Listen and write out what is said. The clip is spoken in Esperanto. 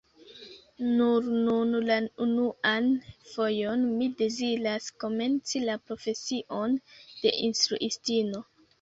Nur nun la unuan fojon mi deziras komenci la profesion de instruistino.